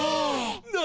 何？